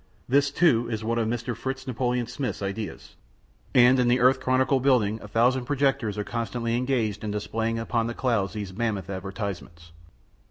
This, too, is one of Mr. Fritz Napoleon Smith's ideas, and in the Earth Chronicle building a thousand projectors are constantly engaged in displaying upon the clouds these mammoth advertisements.